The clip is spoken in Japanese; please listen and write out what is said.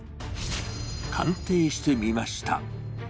鑑定してみました。